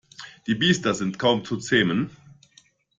Die Biester sind kaum zu zähmen.